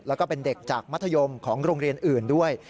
แล้วก็เป็นเด็กจากมัธยมของโรงเรียนอื่นด้วย